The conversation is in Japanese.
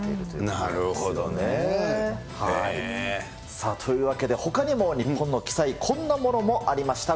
なるほどねぇ。というわけで、ほかにも日本の奇祭、こんなものもありました。